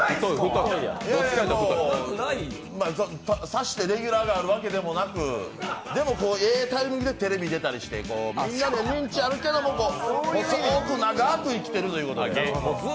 さしてレギュラーがあるわけでもなくでも、ええタイミングでテレビに出たりしてみんなに認知あるけど細く長く生きてるということで。